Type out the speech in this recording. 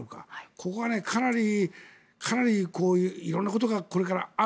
ここがかなり色んなことがこれからある。